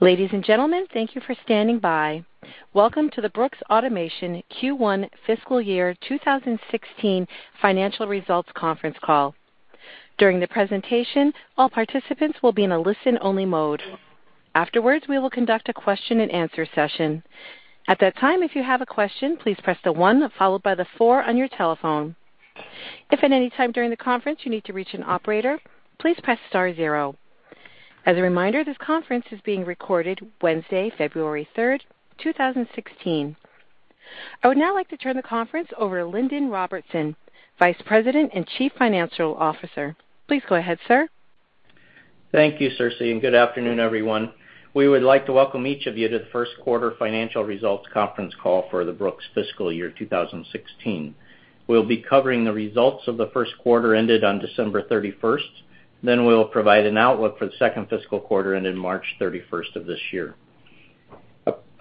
Ladies and gentlemen, thank you for standing by. Welcome to the Brooks Automation Q1 fiscal year 2016 financial results conference call. During the presentation, all participants will be in a listen-only mode. Afterwards, we will conduct a question and answer session. At that time, if you have a question, please press the one followed by the four on your telephone. If at any time during the conference you need to reach an operator, please press star zero. As a reminder, this conference is being recorded Wednesday, February 3rd, 2016. I would now like to turn the conference over to Lindon Robertson, Vice President and Chief Financial Officer. Please go ahead, sir. Thank you, Circe, and good afternoon, everyone. We would like to welcome each of you to the first quarter financial results conference call for the Brooks fiscal year 2016. We'll be covering the results of the first quarter ended on December 31st. Then we'll provide an outlook for the second fiscal quarter ending March 31st of this year.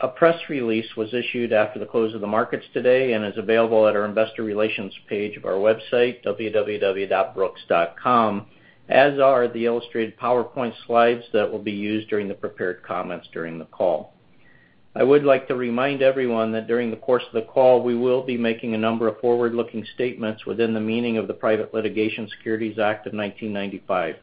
A press release was issued after the close of the markets today and is available at our investor relations page of our website, www.brooks.com, as are the illustrated PowerPoint slides that will be used during the prepared comments during the call. I would like to remind everyone that during the course of the call, we will be making a number of forward-looking statements within the meaning of the Private Securities Litigation Reform Act of 1995.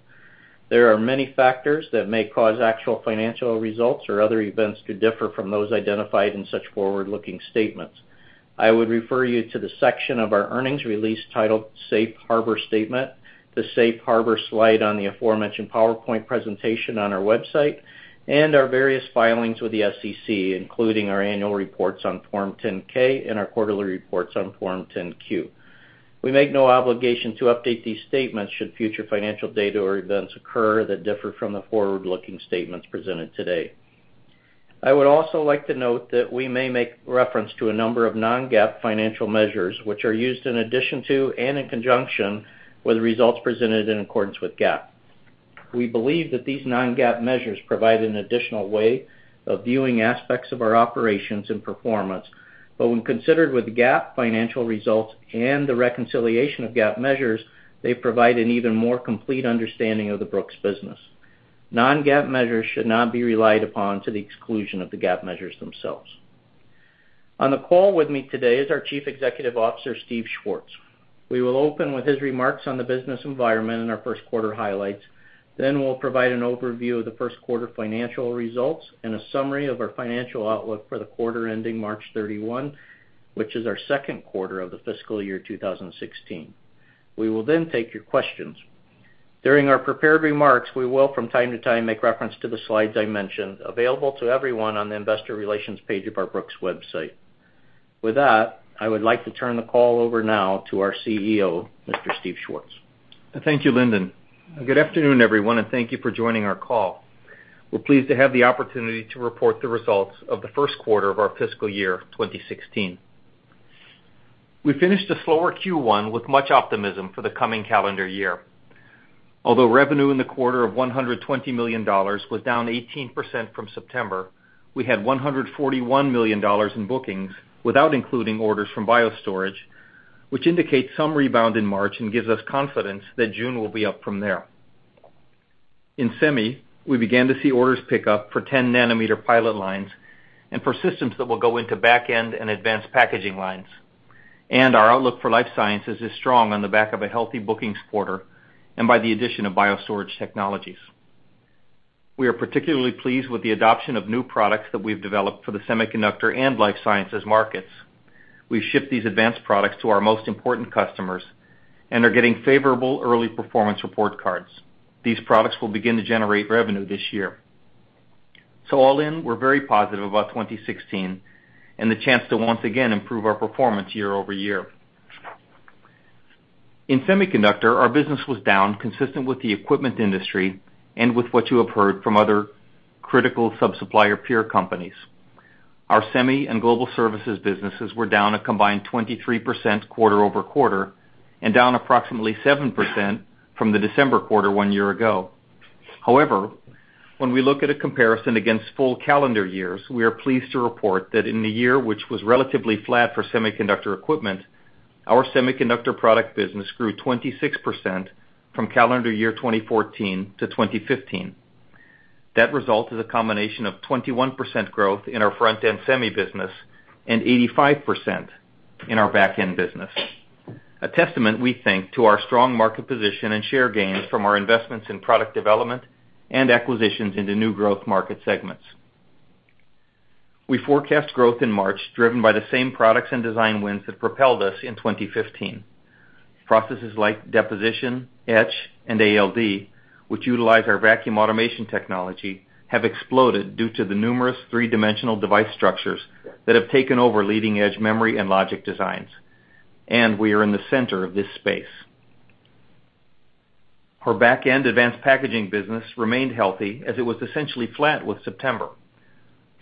There are many factors that may cause actual financial results or other events to differ from those identified in such forward-looking statements. I would refer you to the section of our earnings release titled Safe Harbor Statement, the Safe Harbor slide on the aforementioned PowerPoint presentation on our website, and our various filings with the SEC, including our annual reports on Form 10-K and our quarterly reports on Form 10-Q. We make no obligation to update these statements should future financial data or events occur that differ from the forward-looking statements presented today. I would also like to note that we may make reference to a number of non-GAAP financial measures, which are used in addition to and in conjunction with the results presented in accordance with GAAP. We believe that these non-GAAP measures provide an additional way of viewing aspects of our operations and performance. When considered with the GAAP financial results and the reconciliation of GAAP measures, they provide an even more complete understanding of the Brooks business. Non-GAAP measures should not be relied upon to the exclusion of the GAAP measures themselves. On the call with me today is our Chief Executive Officer, Steve Schwartz. We will open with his remarks on the business environment and our first quarter highlights. Then we'll provide an overview of the first quarter financial results and a summary of our financial outlook for the quarter ending March 31, which is our second quarter of the fiscal year 2016. We will then take your questions. During our prepared remarks, we will, from time to time, make reference to the slides I mentioned, available to everyone on the investor relations page of our Brooks website. I would like to turn the call over now to our CEO, Mr. Steve Schwartz. Thank you, Lindon. Good afternoon, everyone, and thank you for joining our call. We're pleased to have the opportunity to report the results of the first quarter of our fiscal year 2016. We finished a slower Q1 with much optimism for the coming calendar year. Although revenue in the quarter of $120 million was down 18% from September, we had $141 million in bookings without including orders from BioStorage, which indicates some rebound in March and gives us confidence that June will be up from there. In semi, we began to see orders pick up for 10 nanometer pilot lines and for systems that will go into back-end and advanced packaging lines. Our outlook for life sciences is strong on the back of a healthy bookings quarter and by the addition of BioStorage technologies. We are particularly pleased with the adoption of new products that we've developed for the semiconductor and life sciences markets. We've shipped these advanced products to our most important customers and are getting favorable early performance report cards. These products will begin to generate revenue this year. All in, we're very positive about 2016 and the chance to once again improve our performance year-over-year. In semiconductor, our business was down, consistent with the equipment industry and with what you have heard from other critical sub-supplier peer companies. Our semi and global services businesses were down a combined 23% quarter-over-quarter and down approximately 7% from the December quarter one year ago. When we look at a comparison against full calendar years, we are pleased to report that in the year which was relatively flat for semiconductor equipment, our semiconductor product business grew 26% from calendar year 2014 to 2015. That result is a combination of 21% growth in our front-end semi business and 85% in our back-end business. A testament, we think, to our strong market position and share gains from our investments in product development and acquisitions into new growth market segments. We forecast growth in March driven by the same products and design wins that propelled us in 2015. Processes like deposition, etch, and ALD, which utilize our vacuum automation technology, have exploded due to the numerous three-dimensional device structures that have taken over leading-edge memory and logic designs, and we are in the center of this space. Our back-end advanced packaging business remained healthy as it was essentially flat with September.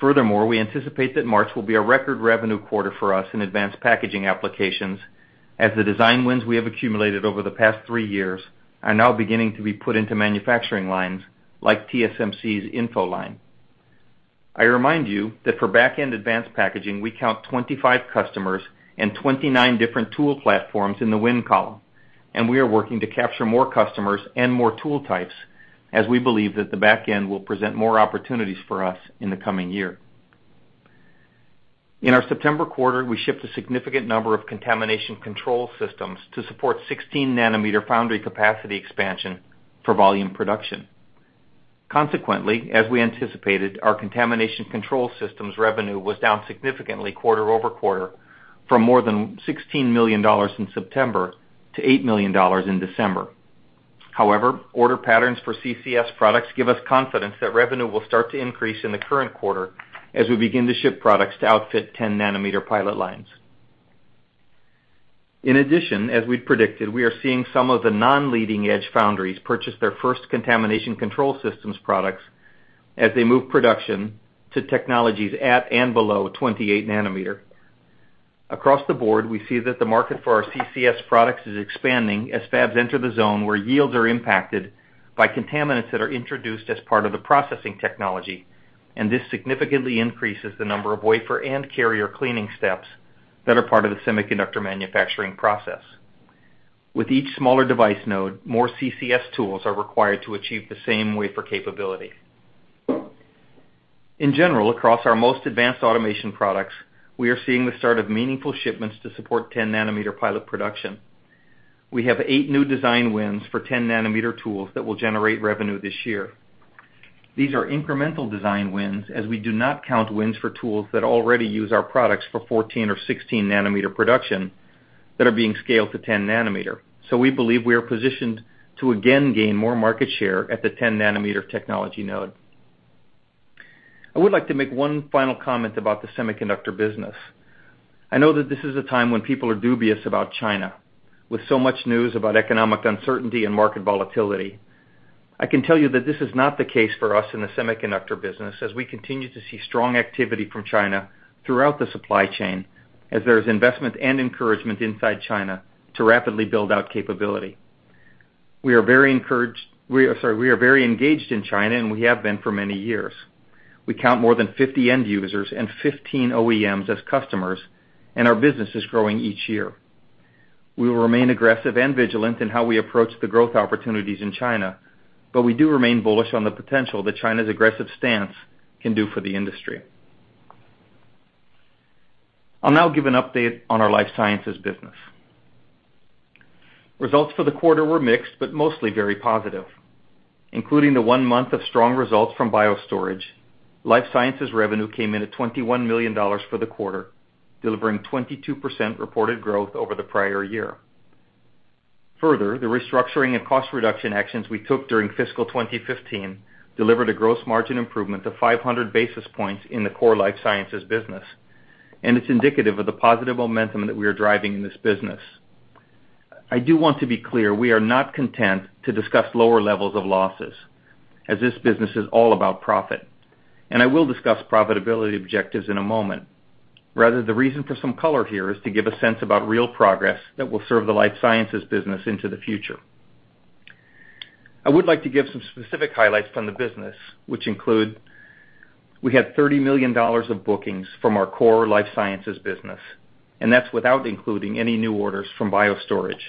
Furthermore, we anticipate that March will be a record revenue quarter for us in advanced packaging applications, as the design wins we have accumulated over the past 3 years are now beginning to be put into manufacturing lines like TSMC's InFO Line. I remind you that for back-end advanced packaging, we count 25 customers and 29 different tool platforms in the win column. We are working to capture more customers and more tool types, as we believe that the back end will present more opportunities for us in the coming year. In our September quarter, we shipped a significant number of contamination control systems to support 16 nanometer foundry capacity expansion for volume production. As we anticipated, our contamination control systems revenue was down significantly quarter-over-quarter from more than $16 million in September to $8 million in December. Order patterns for CCS products give us confidence that revenue will start to increase in the current quarter as we begin to ship products to outfit 10 nanometer pilot lines. As we'd predicted, we are seeing some of the non-leading edge foundries purchase their first contamination control systems products as they move production to technologies at and below 28 nanometer. Across the board, we see that the market for our CCS products is expanding as fabs enter the zone where yields are impacted by contaminants that are introduced as part of the processing technology, and this significantly increases the number of wafer and carrier cleaning steps that are part of the semiconductor manufacturing process. With each smaller device node, more CCS tools are required to achieve the same wafer capability. In general, across our most advanced automation products, we are seeing the start of meaningful shipments to support 10 nanometer pilot production. We have eight new design wins for 10 nanometer tools that will generate revenue this year. These are incremental design wins, as we do not count wins for tools that already use our products for 14 or 16 nanometer production that are being scaled to 10 nanometer. We believe we are positioned to again gain more market share at the 10 nanometer technology node. I would like to make one final comment about the semiconductor business. I know that this is a time when people are dubious about China, with so much news about economic uncertainty and market volatility. I can tell you that this is not the case for us in the semiconductor business, as we continue to see strong activity from China throughout the supply chain, as there is investment and encouragement inside China to rapidly build out capability. We are very engaged in China, and we have been for many years. We count more than 50 end users and 15 OEMs as customers, and our business is growing each year. We will remain aggressive and vigilant in how we approach the growth opportunities in China, but we do remain bullish on the potential that China's aggressive stance can do for the industry. I'll now give an update on our life sciences business. Results for the quarter were mixed, mostly very positive. Including the one month of strong results from BioStorage, life sciences revenue came in at $21 million for the quarter, delivering 22% reported growth over the prior year. Further, the restructuring and cost reduction actions we took during fiscal 2015 delivered a gross margin improvement of 500 basis points in the core life sciences business, and it's indicative of the positive momentum that we are driving in this business. I do want to be clear, we are not content to discuss lower levels of losses, as this business is all about profit, and I will discuss profitability objectives in a moment. Rather, the reason for some color here is to give a sense about real progress that will serve the life sciences business into the future. I would like to give some specific highlights from the business, which include we had $30 million of bookings from our core life sciences business, and that's without including any new orders from BioStorage.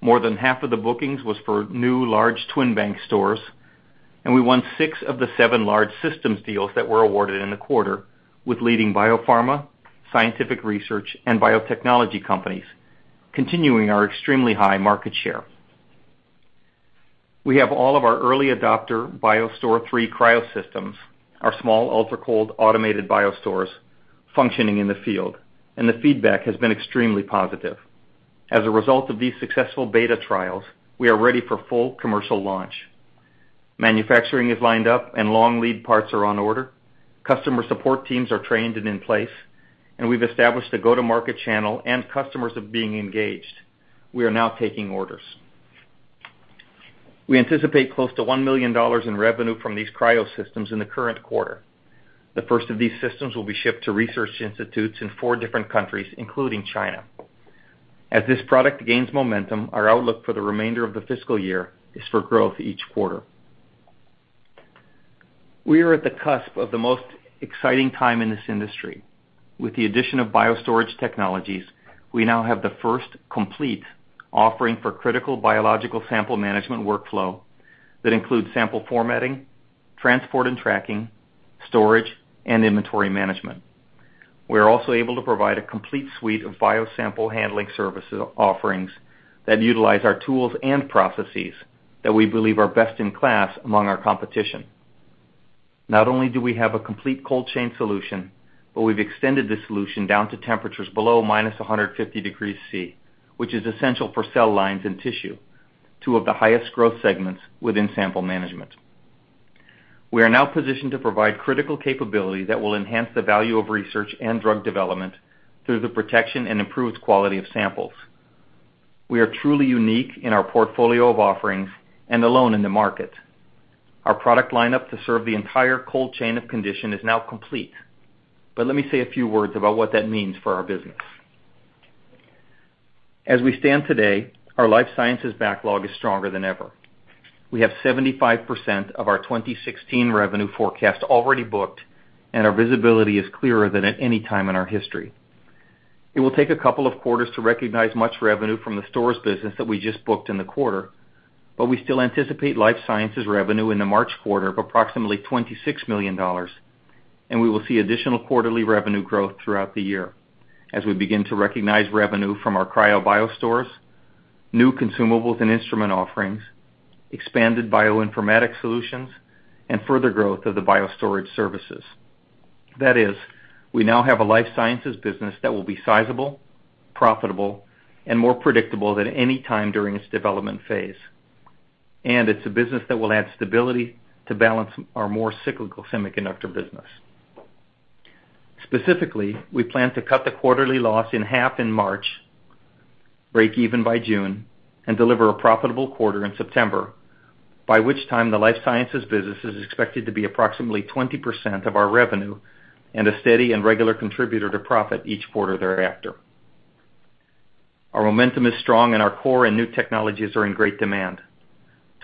More than half of the bookings was for new large TwinBank stores, and we won six of the seven large systems deals that were awarded in the quarter with leading biopharma, scientific research, and biotechnology companies, continuing our extremely high market share. We have all of our early adopter BioStore III Cryo systems, our small ultracold automated BioStores, functioning in the field, and the feedback has been extremely positive. As a result of these successful beta trials, we are ready for full commercial launch. Manufacturing is lined up and long lead parts are on order. Customer support teams are trained and in place, and we've established a go-to-market channel and customers are being engaged. We are now taking orders. We anticipate close to $1 million in revenue from these Cryo systems in the current quarter. The first of these systems will be shipped to research institutes in four different countries, including China. As this product gains momentum, our outlook for the remainder of the fiscal year is for growth each quarter. We are at the cusp of the most exciting time in this industry. With the addition of BioStorage Technologies, we now have the first complete offering for critical biological sample management workflow that includes sample formatting, transport and tracking, storage, and inventory management. We are also able to provide a complete suite of biosample handling service offerings that utilize our tools and processes that we believe are best in class among our competition. Not only do we have a complete cold chain solution, but we've extended the solution down to temperatures below -150 degrees Celsius, which is essential for cell lines and tissue, two of the highest growth segments within sample management. We are now positioned to provide critical capability that will enhance the value of research and drug development through the protection and improved quality of samples. We are truly unique in our portfolio of offerings and alone in the market. Our product lineup to serve the entire cold chain of condition is now complete. Let me say a few words about what that means for our business. As we stand today, our life sciences backlog is stronger than ever. We have 75% of our 2016 revenue forecast already booked, and our visibility is clearer than at any time in our history. It will take a couple of quarters to recognize much revenue from the stores business that we just booked in the quarter, but we still anticipate life sciences revenue in the March quarter of approximately $26 million, and we will see additional quarterly revenue growth throughout the year as we begin to recognize revenue from our BioStore Cryo, new consumables and instrument offerings, expanded bioinformatics solutions, and further growth of the BioStorage services. That is, we now have a life sciences business that will be sizable, profitable, and more predictable than any time during its development phase. It's a business that will add stability to balance our more cyclical semiconductor business. Specifically, we plan to cut the quarterly loss in half in March, break even by June, and deliver a profitable quarter in September, by which time the life sciences business is expected to be approximately 20% of our revenue and a steady and regular contributor to profit each quarter thereafter. Our momentum is strong, and our core and new technologies are in great demand.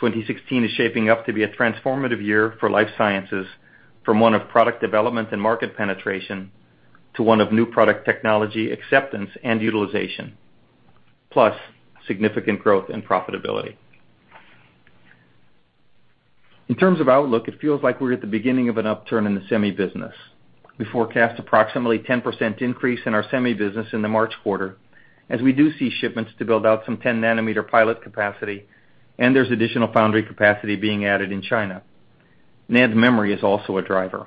2016 is shaping up to be a transformative year for life sciences, from one of product development and market penetration to one of new product technology acceptance and utilization, plus significant growth and profitability. In terms of outlook, it feels like we're at the beginning of an upturn in the semi business. We forecast approximately 10% increase in our semi business in the March quarter, as we do see shipments to build out some 10 nanometer pilot capacity, and there's additional foundry capacity being added in China. NAND memory is also a driver.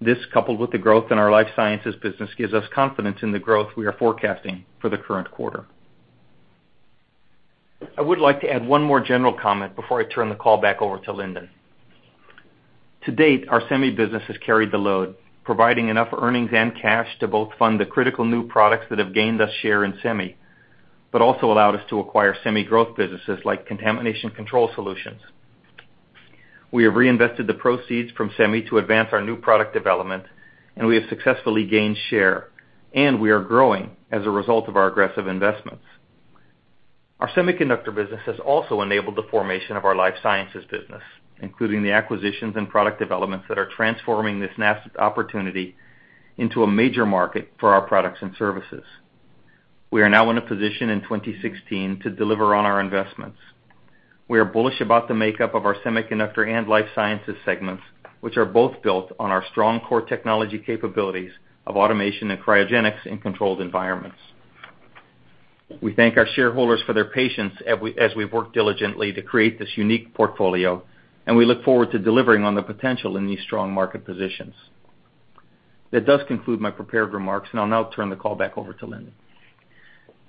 This, coupled with the growth in our life sciences business, gives us confidence in the growth we are forecasting for the current quarter. I would like to add one more general comment before I turn the call back over to Lindon. To date, our semi business has carried the load, providing enough earnings and cash to both fund the critical new products that have gained us share in semi, but also allowed us to acquire semi growth businesses like Contamination Control Solutions. We have reinvested the proceeds from semi to advance our new product development, and we have successfully gained share, and we are growing as a result of our aggressive investments. Our semiconductor business has also enabled the formation of our life sciences business, including the acquisitions and product developments that are transforming this nascent opportunity into a major market for our products and services. We are now in a position in 2016 to deliver on our investments. We are bullish about the makeup of our semiconductor and life sciences segments, which are both built on our strong core technology capabilities of automation and cryogenics in controlled environments. We thank our shareholders for their patience as we've worked diligently to create this unique portfolio, and we look forward to delivering on the potential in these strong market positions. That does conclude my prepared remarks, I'll now turn the call back over to Lindon.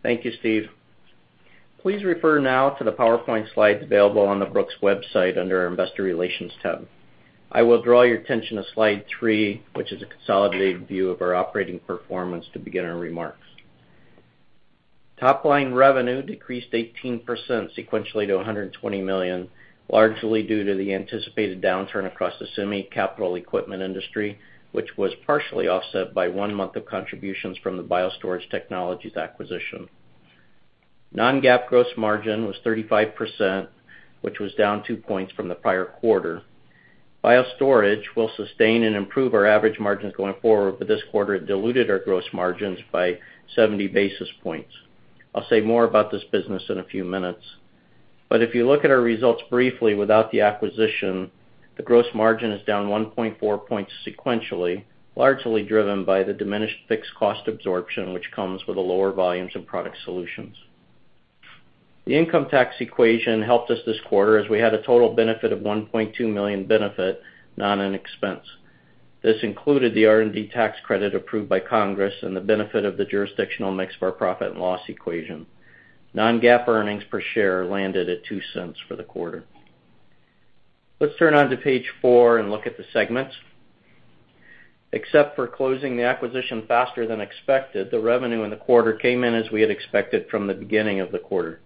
Thank you, Steve. Please refer now to the PowerPoint slides available on the Brooks website under our investor relations tab. I will draw your attention to slide three, which is a consolidated view of our operating performance to begin our remarks. Top-line revenue decreased 18% sequentially to $120 million, largely due to the anticipated downturn across the semi capital equipment industry, which was partially offset by one month of contributions from the BioStorage Technologies acquisition. Non-GAAP gross margin was 35%, which was down two points from the prior quarter. BioStorage will sustain and improve our average margins going forward, but this quarter it diluted our gross margins by 70 basis points. I'll say more about this business in a few minutes. If you look at our results briefly without the acquisition, the gross margin is down 1.4 points sequentially, largely driven by the diminished fixed cost absorption which comes with the lower volumes of product solutions. The income tax equation helped us this quarter as we had a total benefit of $1.2 million benefit, not an expense. This included the R&D tax credit approved by Congress and the benefit of the jurisdictional mix of our profit and loss equation. Non-GAAP earnings per share landed at $0.02 for the quarter. Let's turn on to page four and look at the segments. Except for closing the acquisition faster than expected, the revenue in the quarter came in as we had expected from the beginning of the quarter.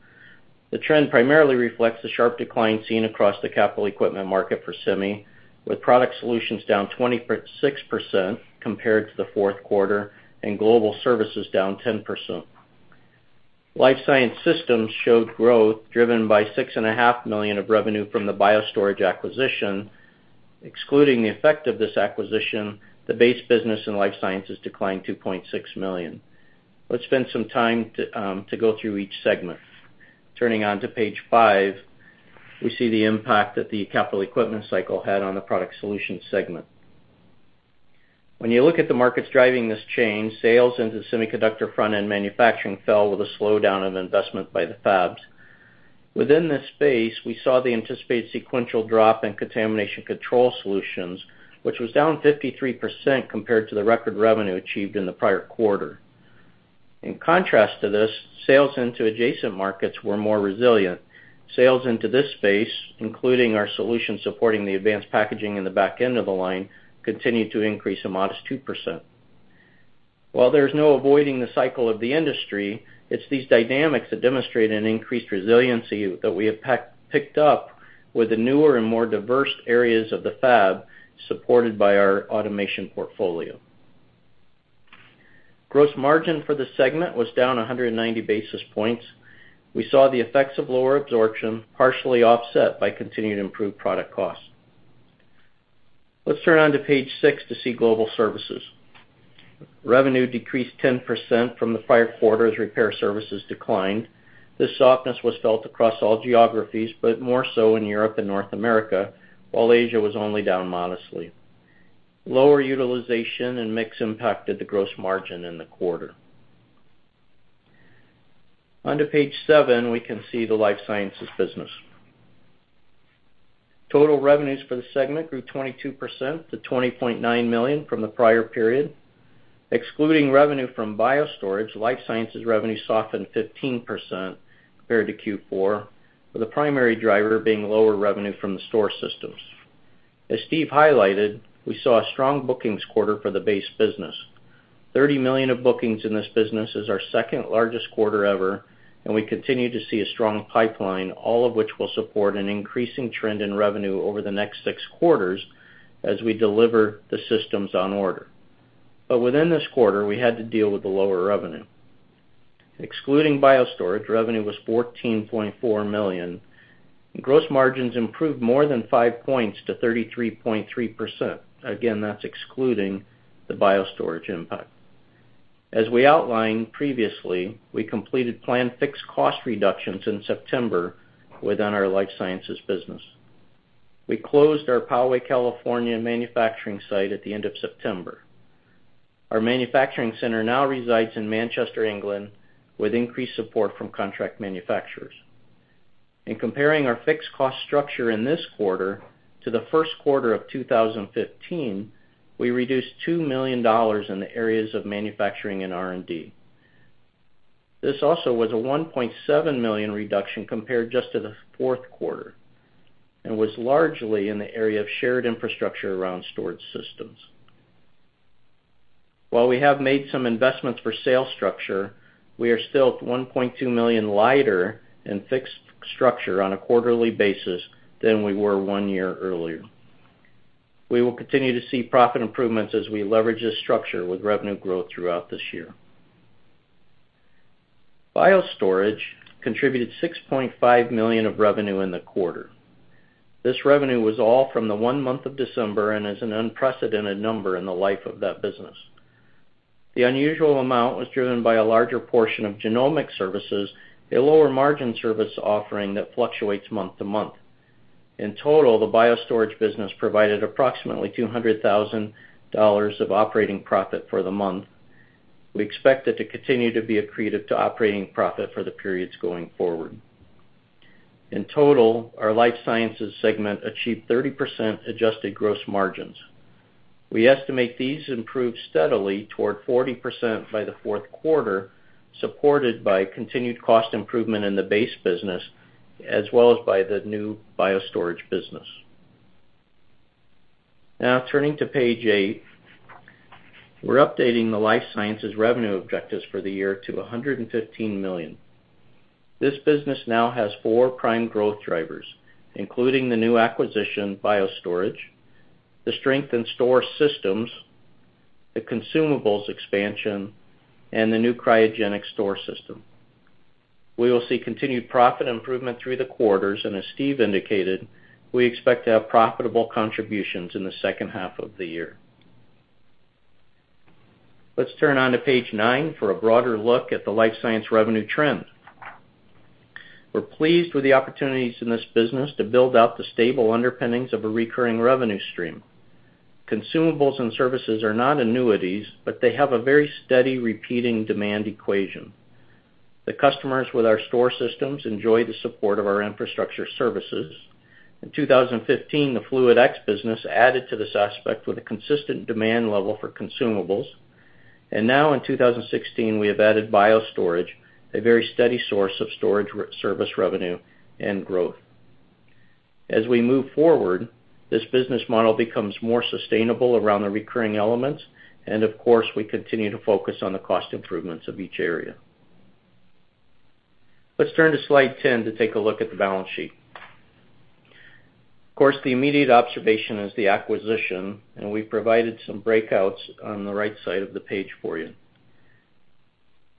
The trend primarily reflects the sharp decline seen across the capital equipment market for semi, with product solutions down 26% compared to the fourth quarter and global services down 10%. Life Science Systems showed growth driven by $6.5 million of revenue from the BioStorage acquisition. Excluding the effect of this acquisition, the base business in life sciences declined $2.6 million. Let's spend some time to go through each segment. Turning on to page five, we see the impact that the capital equipment cycle had on the product solutions segment. When you look at the markets driving this change, sales into the semiconductor front-end manufacturing fell with a slowdown in investment by the fabs. Within this space, we saw the anticipated sequential drop in Contamination Control Solutions, which was down 53% compared to the record revenue achieved in the prior quarter. In contrast to this, sales into adjacent markets were more resilient. Sales into this space, including our solution supporting the advanced packaging in the back end of the line, continued to increase a modest 2%. While there's no avoiding the cycle of the industry, it's these dynamics that demonstrate an increased resiliency that we have picked up with the newer and more diverse areas of the fab supported by our automation portfolio. Gross margin for the segment was down 190 basis points. We saw the effects of lower absorption partially offset by continued improved product costs. Let's turn on to page six to see global services. Revenue decreased 10% from the prior quarter as repair services declined. This softness was felt across all geographies, but more so in Europe and North America, while Asia was only down modestly. Lower utilization and mix impacted the gross margin in the quarter. On to page seven, we can see the life sciences business. Total revenues for the segment grew 22% to $20.9 million from the prior period. Excluding revenue from BioStorage, life sciences revenue softened 15% compared to Q4, with the primary driver being lower revenue from the store systems. As Steve highlighted, we saw a strong bookings quarter for the base business. $30 million of bookings in this business is our second-largest quarter ever, and we continue to see a strong pipeline, all of which will support an increasing trend in revenue over the next six quarters as we deliver the systems on order. Within this quarter, we had to deal with the lower revenue. Excluding BioStorage, revenue was $14.4 million, and gross margins improved more than five points to 33.3%. Again, that's excluding the BioStorage impact. As we outlined previously, we completed planned fixed cost reductions in September within our life sciences business. We closed our Poway, California, manufacturing site at the end of September. Our manufacturing center now resides in Manchester, England, with increased support from contract manufacturers. In comparing our fixed cost structure in this quarter to the first quarter of 2015, we reduced $2 million in the areas of manufacturing and R&D. This also was a $1.7 million reduction compared just to the fourth quarter and was largely in the area of shared infrastructure around storage systems. While we have made some investments for sales structure, we are still $1.2 million lighter in fixed structure on a quarterly basis than we were one year earlier. We will continue to see profit improvements as we leverage this structure with revenue growth throughout this year. BioStorage contributed $6.5 million of revenue in the quarter. This revenue was all from the one month of December and is an unprecedented number in the life of that business. The unusual amount was driven by a larger portion of genomic services, a lower-margin service offering that fluctuates month to month. In total, the BioStorage business provided approximately $200,000 of operating profit for the month. We expect it to continue to be accretive to operating profit for the periods going forward. In total, our life sciences segment achieved 30% adjusted gross margins. We estimate these improve steadily toward 40% by the fourth quarter, supported by continued cost improvement in the base business, as well as by the new BioStorage business. Turning to page eight, we're updating the life sciences revenue objectives for the year to $115 million. This business now has four prime growth drivers, including the new acquisition, BioStorage, the strength in store systems, the consumables expansion, and the new cryogenic store system. We will see continued profit improvement through the quarters, and as Steve indicated, we expect to have profitable contributions in the second half of the year. Let's turn on to page nine for a broader look at the life science revenue trend. We're pleased with the opportunities in this business to build out the stable underpinnings of a recurring revenue stream. Consumables and services are not annuities, but they have a very steady, repeating demand equation. The customers with our store systems enjoy the support of our infrastructure services. In 2015, the FluidX business added to this aspect with a consistent demand level for consumables. Now in 2016, we have added BioStorage, a very steady source of storage service revenue and growth. As we move forward, this business model becomes more sustainable around the recurring elements, and of course, we continue to focus on the cost improvements of each area. Let's turn to slide 10 to take a look at the balance sheet. Of course, the immediate observation is the acquisition, and we've provided some breakouts on the right side of the page for you.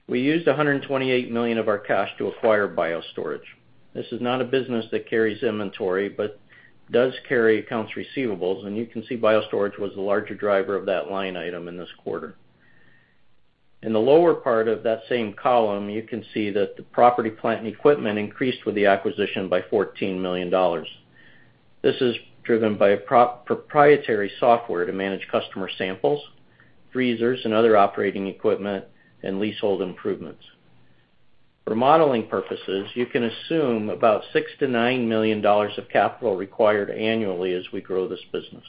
We used $128 million of our cash to acquire BioStorage. This is not a business that carries inventory but does carry accounts receivables, and you can see BioStorage was the larger driver of that line item in this quarter. In the lower part of that same column, you can see that the property, plant, and equipment increased with the acquisition by $14 million. This is driven by proprietary software to manage customer samples, freezers and other operating equipment, and leasehold improvements. For modeling purposes, you can assume about $6 million-$9 million of capital required annually as we grow this business.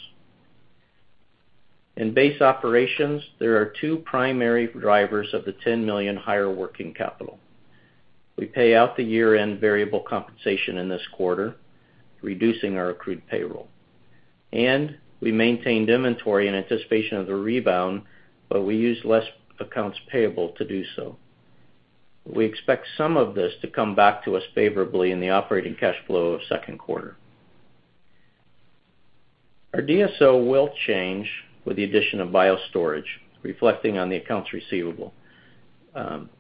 In base operations, there are two primary drivers of the $10 million higher working capital. We pay out the year-end variable compensation in this quarter, reducing our accrued payroll, and we maintained inventory in anticipation of the rebound, but we used less accounts payable to do so. We expect some of this to come back to us favorably in the operating cash flow of second quarter. Our DSO will change with the addition of BioStorage, reflecting on the accounts receivable.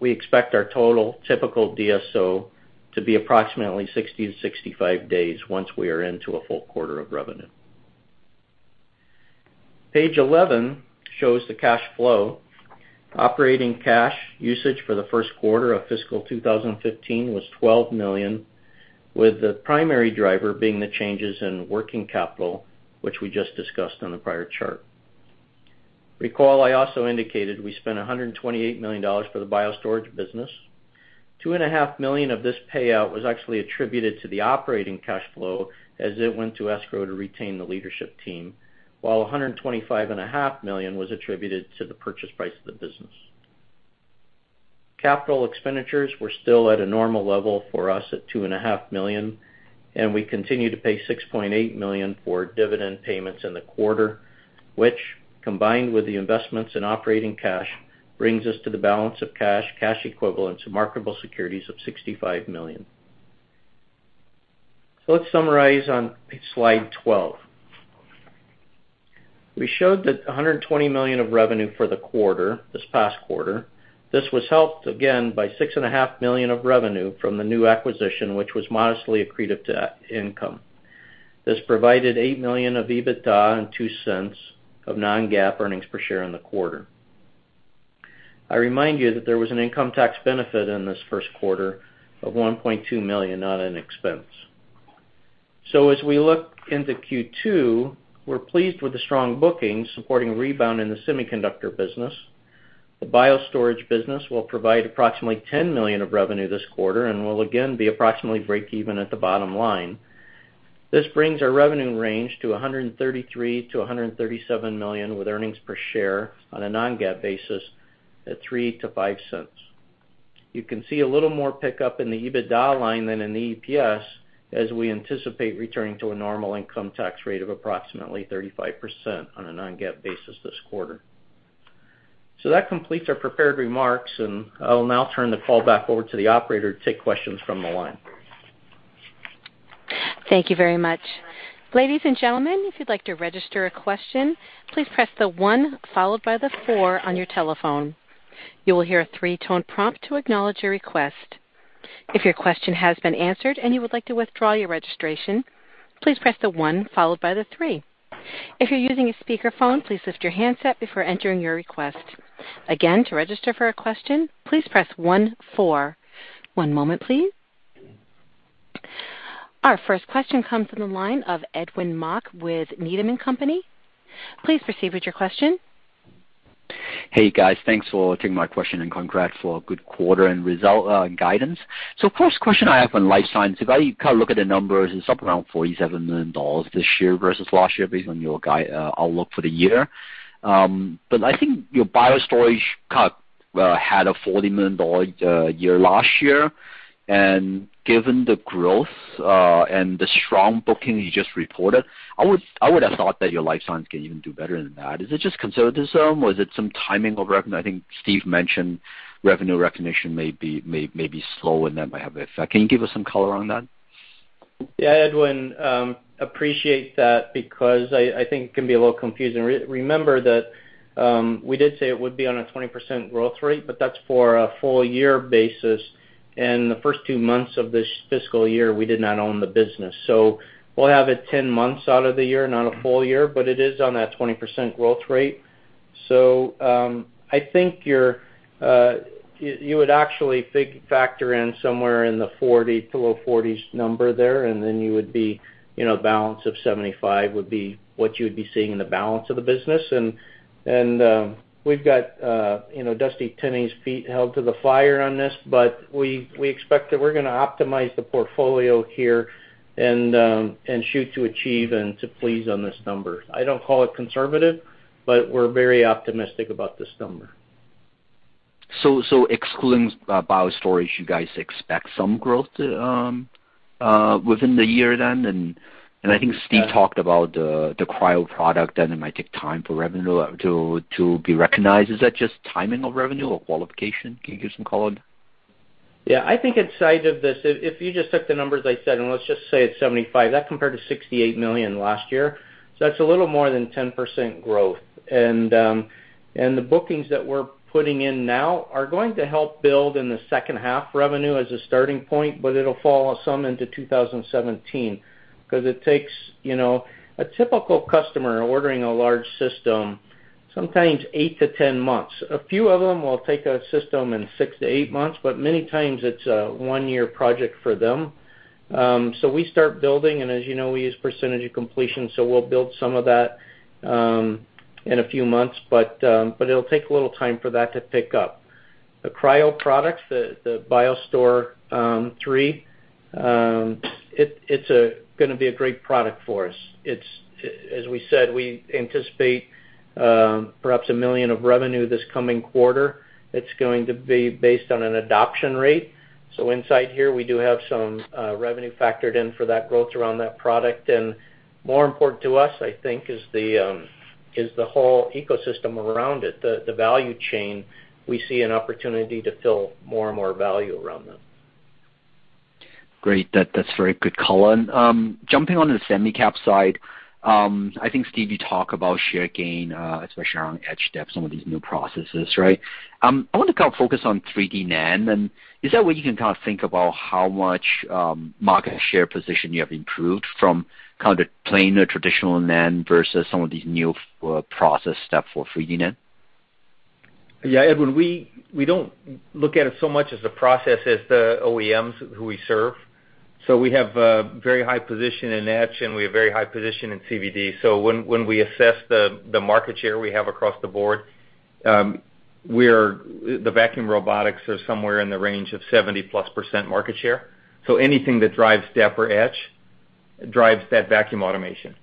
We expect our total typical DSO to be approximately 60-65 days once we are into a full quarter of revenue. Page 11 shows the cash flow. Operating cash usage for the first quarter of fiscal 2015 was $12 million, with the primary driver being the changes in working capital, which we just discussed on the prior chart. Recall I also indicated we spent $128 million for the BioStorage business. Two and a half million of this payout was actually attributed to the operating cash flow as it went to escrow to retain the leadership team, while 125 and a half million was attributed to the purchase price of the business. Capital expenditures were still at a normal level for us at $2.5 million, and we continue to pay $6.8 million for dividend payments in the quarter, which, combined with the investments in operating cash, brings us to the balance of cash equivalents, and marketable securities of $65 million. Let's summarize on slide 12. We showed that $120 million of revenue for the quarter, this past quarter. This was helped again by $6.5 million of revenue from the new acquisition, which was modestly accretive to income. This provided $8 million of EBITDA and $0.02 of non-GAAP earnings per share in the quarter. I remind you that there was an income tax benefit in this first quarter of $1.2 million, not an expense. As we look into Q2, we're pleased with the strong bookings supporting a rebound in the semiconductor business. The BioStorage business will provide approximately $10 million of revenue this quarter and will again be approximately break even at the bottom line. This brings our revenue range to $133 million-$137 million, with earnings per share on a non-GAAP basis at $0.03-$0.05. You can see a little more pickup in the EBITDA line than in the EPS as we anticipate returning to a normal income tax rate of approximately 35% on a non-GAAP basis this quarter. That completes our prepared remarks, and I will now turn the call back over to the operator to take questions from the line. Thank you very much. Ladies and gentlemen, if you'd like to register a question, please press the 1 followed by the 4 on your telephone. You will hear a 3-tone prompt to acknowledge your request. If your question has been answered and you would like to withdraw your registration, please press the 1 followed by the 3. If you're using a speakerphone, please lift your handset before entering your request. Again, to register for a question, please press 1, 4. One moment, please. Our first question comes from the line of Edwin Mok with Needham & Company. Please proceed with your question. Hey, guys. Thanks for taking my question and congrats for a good quarter and guidance. First question I have on Life Science, if I look at the numbers, it's up around $47 million this year versus last year based on your outlook for the year. I think your BioStorage had a $40 million year last year, and given the growth and the strong booking you just reported, I would have thought that your Life Science can even do better than that. Is it just conservatism or is it some timing of revenue? I think Steve mentioned revenue recognition may be slow and that might have an effect. Can you give us some color on that? Edwin, appreciate that because I think it can be a little confusing. Remember that we did say it would be on a 20% growth rate, but that's for a full-year basis, and the first two months of this fiscal year, we did not own the business. We'll have it 10 months out of the year, not a full year, but it is on that 20% growth rate. I think you would actually factor in somewhere in the 40 to low 40s number there, and then a balance of 75 would be what you would be seeing in the balance of the business. We've got Dusty Tenney's feet held to the fire on this, but we expect that we're going to optimize the portfolio here and shoot to achieve and to please on this number. I don't call it conservative, but we're very optimistic about this number. Excluding BioStorage, you guys expect some growth within the year then? I think Steve talked about the cryo product and it might take time for revenue to be recognized. Is that just timing of revenue or qualification? Can you give some color on that? I think inside of this, if you just took the numbers I said, let's just say it's 75, that compared to $68 million last year. That's a little more than 10% growth. The bookings that we're putting in now are going to help build in the second half revenue as a starting point, but it'll fall some into 2017 because it takes a typical customer ordering a large system, sometimes 8 to 10 months. A few of them will take a system in 6 to 8 months, but many times it's a one-year project for them. We start building and as you know, we use percentage of completion, so we'll build some of that in a few months, but it'll take a little time for that to pick up. The cryo product, the BioStore III, it's going to be a great product for us. As we said, we anticipate perhaps $1 million of revenue this coming quarter. It's going to be based on an adoption rate. Inside here, we do have some revenue factored in for that growth around that product. More important to us, I think is the whole ecosystem around it, the value chain. We see an opportunity to fill more and more value around them. Great. That's very good color. Jumping on the semi cap side, I think, Steve, you talk about share gain, especially around etch depth, some of these new processes, right? I want to kind of focus on 3D NAND, is that where you can kind of think about how much market share position you have improved from kind of the plain or traditional NAND versus some of these new process step for 3D NAND? Yeah, Edwin Mok, we don't look at it so much as a process as the OEMs who we serve. We have a very high position in etch, and we have very high position in CVD. When we assess the market share we have across the board, the vacuum robotics are somewhere in the range of 70-plus % market share. Anything that drives deposition or etch drives that vacuum automation.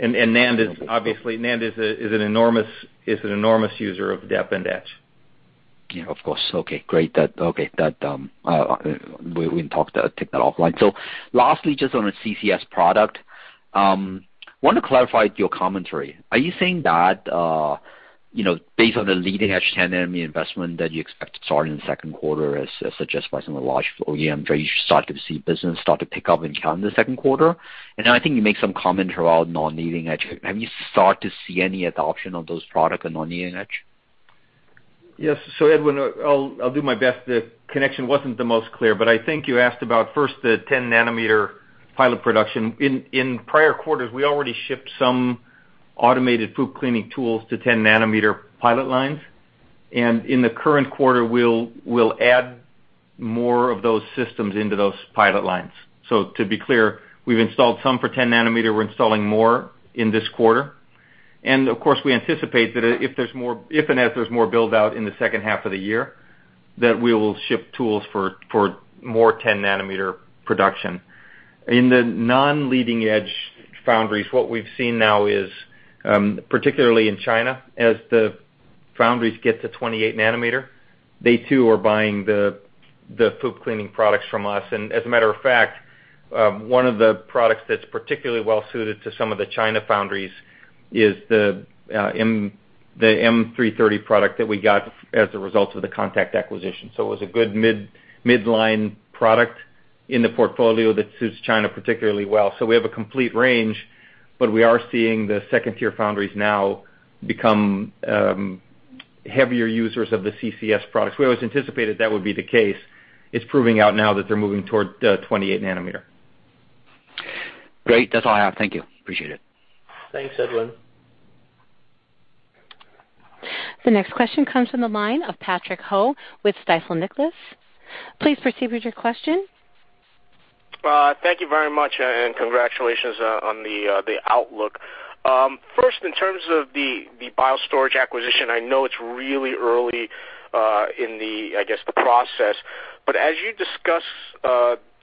Obviously NAND is an enormous user of deposition and etch. Yeah, of course. Okay, great. We can take that offline. Lastly, just on a CCS product, want to clarify your commentary. Are you saying that, based on the leading-edge 10 nm investment that you expect to start in the second quarter as suggested by some of the large OEMs, that you start to see business start to pick up in China in the second quarter? Then I think you make some comment around non-leading edge. Have you start to see any adoption of those product on non-leading edge? Yes. Edwin Mok, I'll do my best. The connection wasn't the most clear, but I think you asked about, first, the 10 nanometer pilot production. In prior quarters, we already shipped some automated FOUP cleaning tools to 10 nanometer pilot lines, we'll add more of those systems into those pilot lines. To be clear, we've installed some for 10 nanometer. We're installing more in this quarter. Of course, we anticipate that if and as there's more build-out in the second half of the year, that we will ship tools for more 10 nanometer production. In the non-leading edge foundries, what we've seen now is, particularly in China, as the foundries get to 28 nanometer, they too are buying the FOUP cleaning products from us. As a matter of fact, one of the products that's particularly well suited to some of the China foundries is the M330 product that we got as a result of the [Contact] acquisition. It was a good midline product in the portfolio that suits China particularly well. We have a complete range, but we are seeing the 2-tier foundries now become heavier users of the CCS products. We always anticipated that would be the case. It's proving out now that they're moving toward the 28 nanometer. Great. That's all I have. Thank you. Appreciate it. Thanks, Edwin. The next question comes from the line of Patrick Ho with Stifel Nicolaus. Please proceed with your question. Thank you very much, and congratulations on the outlook. First, in terms of the BioStorage acquisition, I know it's really early in the, I guess, the process, but as you discuss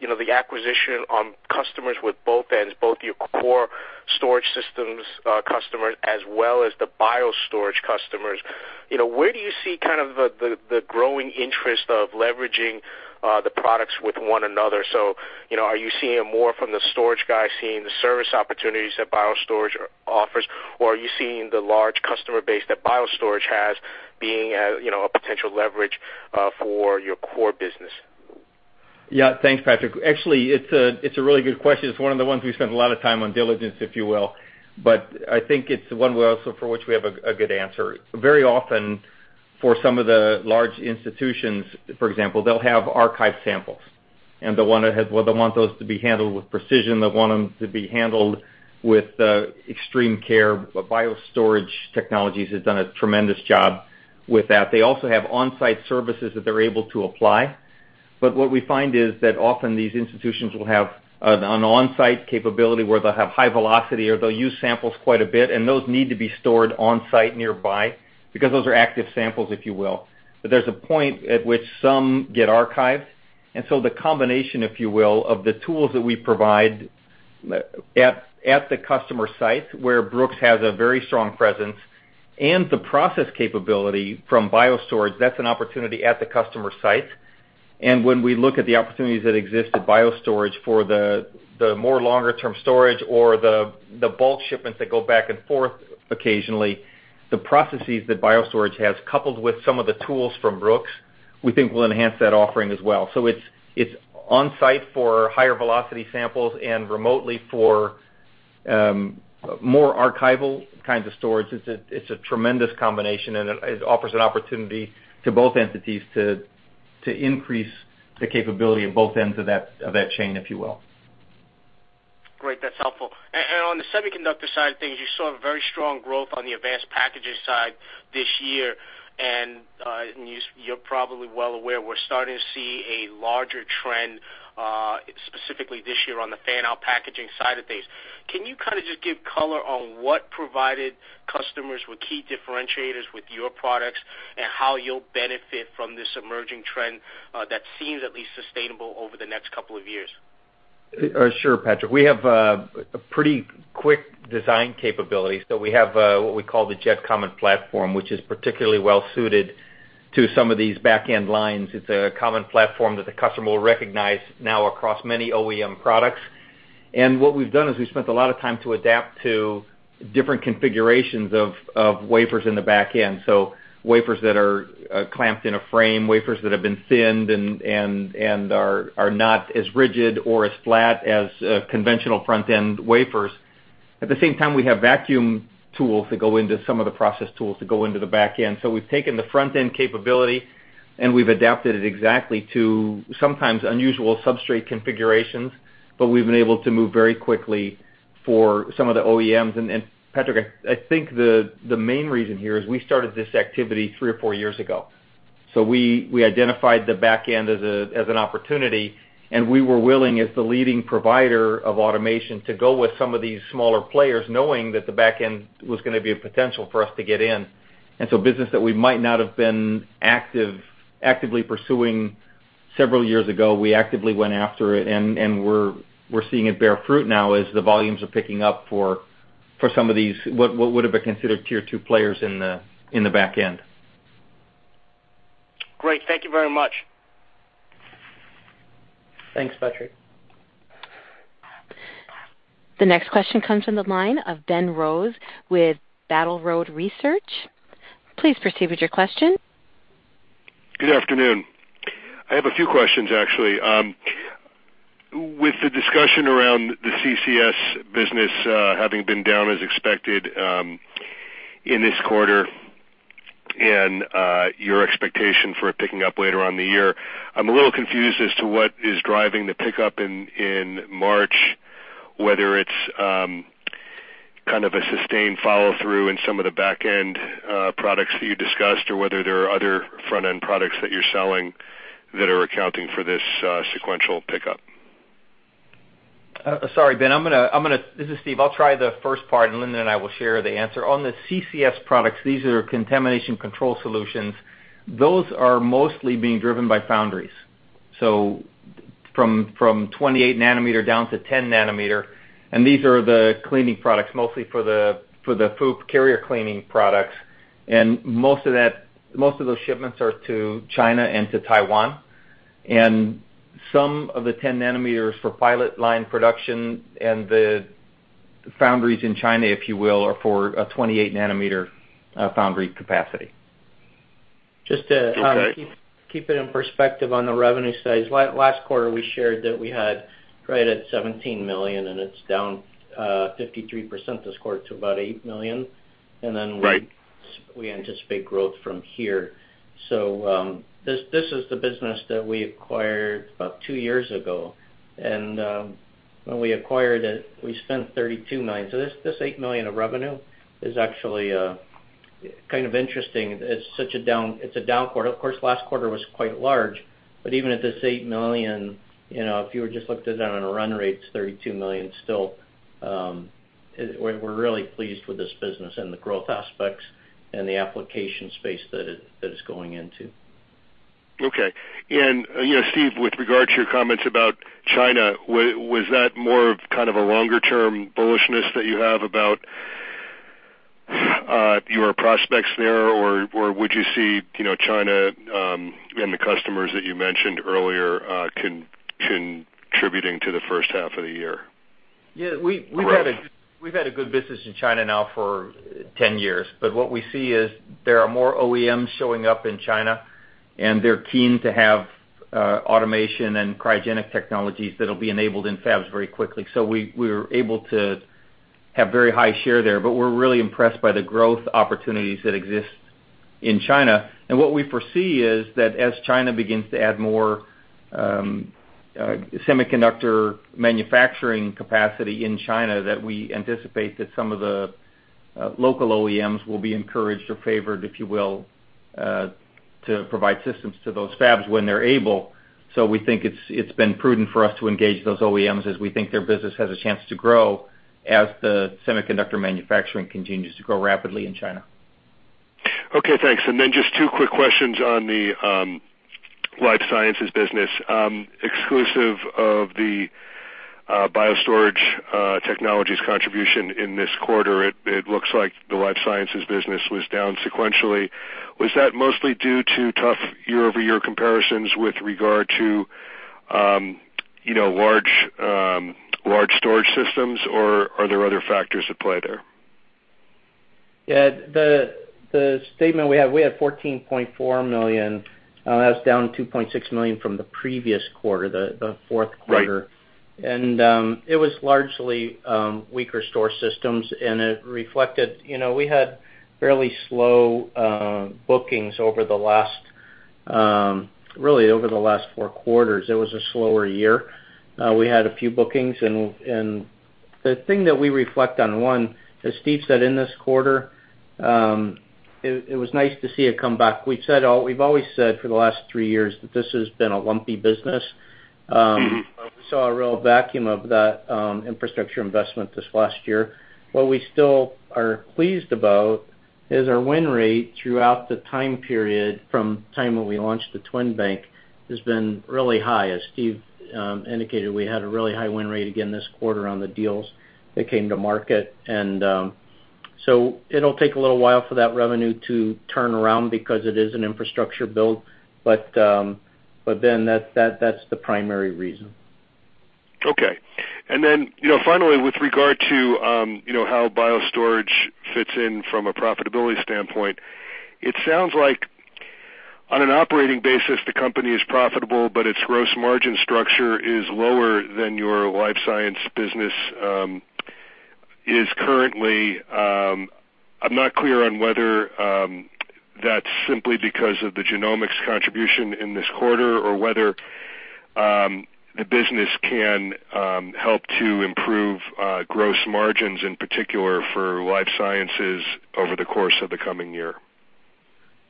the acquisition on customers with both ends, both your core storage systems customers as well as the BioStorage customers, where do you see kind of the growing interest of leveraging the products with one another? Are you seeing more from the storage guys seeing the service opportunities that BioStorage offers, or are you seeing the large customer base that BioStorage has being a potential leverage for your core business? Yeah. Thanks, Patrick. Actually, it's a really good question. It's one of the ones we spent a lot of time on diligence, if you will, but I think it's one where also for which we have a good answer. Very often, for some of the large institutions, for example, they'll have archive samples, and they'll want those to be handled with precision. They'll want them to be handled with extreme care. BioStorage Technologies has done a tremendous job with that. They also have on-site services that they're able to apply. What we find is that often these institutions will have an on-site capability where they'll have high velocity, or they'll use samples quite a bit, and those need to be stored on-site nearby because those are active samples, if you will. There's a point at which some get archived, the combination, if you will, of the tools that we provide at the customer site, where Brooks has a very strong presence, and the process capability from BioStorage, that's an opportunity at the customer site. When we look at the opportunities that exist at BioStorage for the more longer-term storage or the bulk shipments that go back and forth occasionally, the processes that BioStorage has, coupled with some of the tools from Brooks, we think will enhance that offering as well. It's on-site for higher velocity samples and remotely for more archival kinds of storage. It's a tremendous combination, and it offers an opportunity to both entities to increase the capability of both ends of that chain, if you will. Great. That's helpful. On the semiconductor side of things, you saw very strong growth on the advanced packaging side this year, and you're probably well aware we're starting to see a larger trend, specifically this year on the fan-out packaging side of things. Can you kind of just give color on what provided customers with key differentiators with your products, and how you'll benefit from this emerging trend that seems at least sustainable over the next couple of years? Sure, Patrick. We have a pretty quick design capability. We have what we call the Jet Common Platform, which is particularly well suited to some of these back-end lines. It's a common platform that the customer will recognize now across many OEM products. What we've done is we've spent a lot of time to adapt to different configurations of wafers in the back end. Wafers that are clamped in a frame, wafers that have been thinned and are not as rigid or as flat as conventional front-end wafers. At the same time, we have vacuum tools that go into some of the process tools that go into the back end. We've taken the front-end capability, and we've adapted it exactly to sometimes unusual substrate configurations, but we've been able to move very quickly for some of the OEMs. Patrick, I think the main reason here is we started this activity three or four years ago. We identified the back end as an opportunity, and we were willing, as the leading provider of automation, to go with some of these smaller players, knowing that the back end was going to be a potential for us to get in. Business that we might not have been actively pursuing several years ago, we actively went after it, and we're seeing it bear fruit now as the volumes are picking up for some of these, what would've been considered tier 2 players in the back end. Great. Thank you very much. Thanks, Patrick. The next question comes from the line of Ben Rose with Battle Road Research. Please proceed with your question. Good afternoon. I have a few questions, actually. With the discussion around the CCS business having been down as expected in this quarter and your expectation for it picking up later on the year, I'm a little confused as to what is driving the pickup in March, whether it's kind of a sustained follow-through in some of the back-end products that you discussed, or whether there are other front-end products that you're selling that are accounting for this sequential pickup. Sorry, Ben. This is Steve. I'll try the first part, Lindon and I will share the answer. On the CCS products, these are Contamination Control Solutions. Those are mostly being driven by foundries, so from 28 nanometer down to 10 nanometer, these are the cleaning products, mostly for the FOUP carrier cleaning products. Most of those shipments are to China and to Taiwan. Some of the 10 nanometers for pilot line production and the foundries in China, if you will, are for a 28-nanometer foundry capacity. Just to Okay Keep it in perspective on the revenue size. Last quarter, we shared that we had right at $17 million, and it's down 53% this quarter to about $8 million. Right. We anticipate growth from here. This is the business that we acquired about two years ago. When we acquired it, we spent $32 million. This $8 million of revenue is actually kind of interesting. It's a down quarter. Of course, last quarter was quite large, but even at this $8 million, if you were just looked at it on a run rate, it's $32 million still. We're really pleased with this business and the growth aspects and the application space that it's going into. Okay. Steve, with regard to your comments about China, was that more of kind of a longer-term bullishness that you have about your prospects there, or would you see China and the customers that you mentioned earlier contributing to the first half of the year? Yeah, we've had a good business in China now for 10 years. What we see is there are more OEMs showing up in China, and they're keen to have automation and cryogenic technologies that'll be enabled in fabs very quickly. We were able to have very high share there, but we're really impressed by the growth opportunities that exist in China. What we foresee is that as China begins to add more semiconductor manufacturing capacity in China, that we anticipate that some of the local OEMs will be encouraged or favored, if you will, to provide systems to those fabs when they're able. We think it's been prudent for us to engage those OEMs as we think their business has a chance to grow as the semiconductor manufacturing continues to grow rapidly in China. Okay, thanks. Just two quick questions on the life sciences business. Exclusive of the BioStorage Technologies contribution in this quarter, it looks like the life sciences business was down sequentially. Was that mostly due to tough year-over-year comparisons with regard to large storage systems, or are there other factors at play there? Yeah. The statement we had, $14.4 million. That's down $2.6 million from the previous quarter, the fourth quarter. Right. It was largely weaker storage systems, and it reflected, we had fairly slow bookings, really over the last four quarters. It was a slower year. We had a few bookings, and the thing that we reflect on, one, as Steve said, in this quarter, it was nice to see it come back. We've always said for the last three years that this has been a lumpy business. We saw a real vacuum of that infrastructure investment this last year. What we still are pleased about is our win rate throughout the time period, from time when we launched the TwinBank, has been really high. As Steve indicated, we had a really high win rate again this quarter on the deals that came to market. It'll take a little while for that revenue to turn around because it is an infrastructure build. That's the primary reason. Okay. Finally, with regard to how BioStorage fits in from a profitability standpoint, it sounds like on an operating basis, the company is profitable, but its gross margin structure is lower than your life science business is currently. I'm not clear on whether that's simply because of the genomics contribution in this quarter or whether the business can help to improve gross margins, in particular for life sciences over the course of the coming year.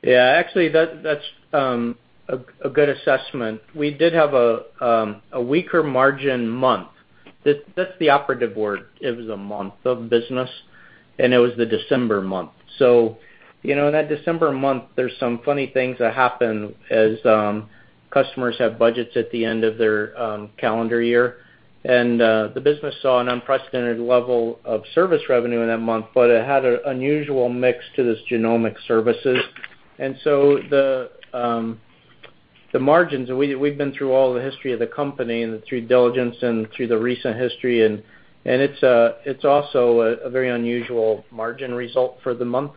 Yeah. Actually, that's a good assessment. We did have a weaker margin month. That's the operative word. It was a month of business, and it was the December month. In that December month, there's some funny things that happen as customers have budgets at the end of their calendar year. The business saw an unprecedented level of service revenue in that month, but it had an unusual mix to this genomic services. The margins, we've been through all the history of the company and the due diligence and through the recent history, and it's also a very unusual margin result for the month.